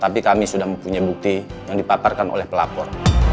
tapi kami sudah mempunyai bukti yang dipaparkan oleh pelapor